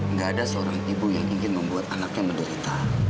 nggak ada seorang ibu yang ingin membuat anaknya menderita